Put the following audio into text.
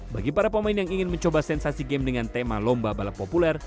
bagi para pemain yang ingin mencoba sensasi game dengan tema lomba balap populer